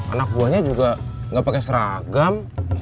anak buahnya juga nggak pakai seragam